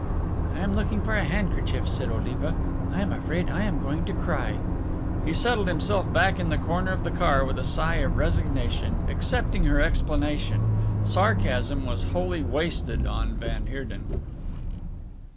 "I am looking for a handkerchief," said Oliva. "I am afraid I am going to cry!" He settled himself back in the corner of the car with a sigh of resignation, accepting her explanation sarcasm was wholly wasted on van Heerden.